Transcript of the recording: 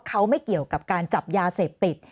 เขาไม่เกี่ยวกับการจับยาเสพติด